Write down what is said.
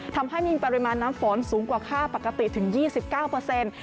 ทำให้มีปริมาณน้ำฝนสูงกว่าค่าปกติถึง๒๙